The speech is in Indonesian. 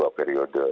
harus dua periode